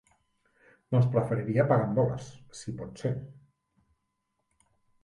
Doncs preferiria pagar en dòlars, si pot ser?